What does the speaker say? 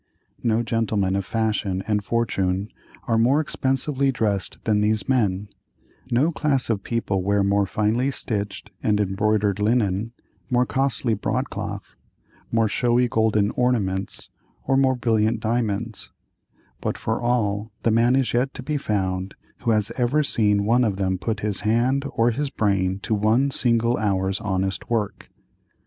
No gentlemen of fashion and fortune are more expensively dressed than these men; no class of people wear more finely stitched and embroidered linen, more costly broadcloth, more showy golden ornaments, or more brilliant diamonds; but for all, the man is yet to be found who has ever seen one of them put his hand or his brain to one single hour's honest work.